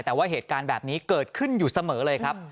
แต่ว่าเหตุการณ์แบบนี้เกิดขึ้นอยู่เสมอเลยครับ